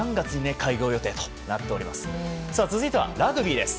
来年３月に開業予定となっております。